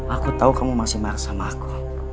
aku tahu kamu masih marah sama aku